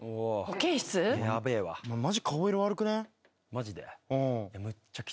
マジで？